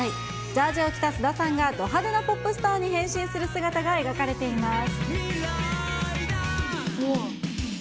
ジャージを着た菅田さんがド派手なポップスターに変身する姿が描かれています。